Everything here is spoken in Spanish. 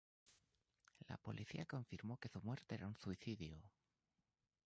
La policía confirmó que su muerte era un suicidio.